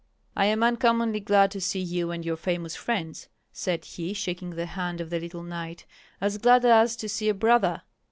"I am uncommonly glad to see you and your famous friends," said he, shaking the hand of the little knight, "as glad as to see a brother!